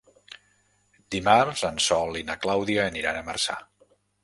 Dimarts en Sol i na Clàudia aniran a Marçà.